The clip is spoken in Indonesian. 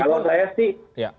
kalau saya sih